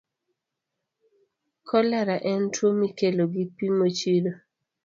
Kolera en tuwo mikelo gi pi mochido.